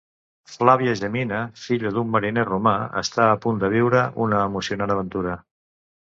Flàvia Gemina, filla d'un mariner romà, està a punt de viure una emocionant aventura.